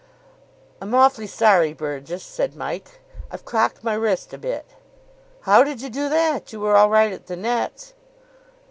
"I'm awfully sorry, Burgess," said Mike. "I've crocked my wrist a bit." "How did you do that? You were all right at the nets?"